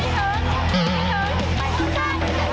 อีกแล้ว